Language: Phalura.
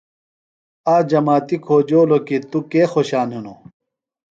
آک جماتیۡ کھوجولوۡ کی تُوۡ کے خوشان ہِنوۡ۔